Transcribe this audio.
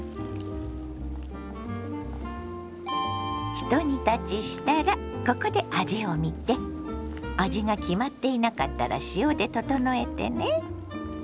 ひと煮立ちしたらここで味をみて味が決まっていなかったら塩で調えてね。